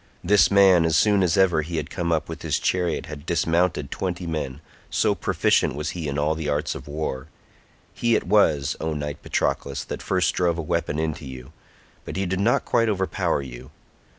This man as soon as ever he had come up with his chariot had dismounted twenty men, so proficient was he in all the arts of war—he it was, O knight Patroclus, that first drove a weapon into you, but he did not quite overpower you.